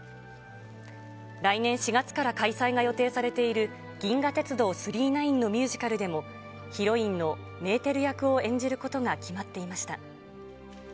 来年４月から開催が予定されている銀河鉄道９９９のミュージカルでもヒロインのメーテル役を演じることが決まっていました。